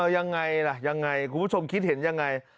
ยังไงล่ะยังไงคุณผู้ชมคิดเห็นยังไง